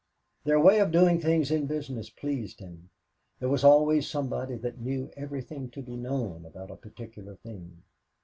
Their ways of doing things in business pleased him. There was always somebody that knew everything to be known about a particular thing.